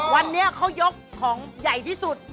วันนี้เขายกของใหญ่ที่สุด